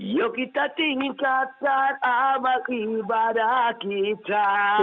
yuk kita tingin kata amat ibadah kita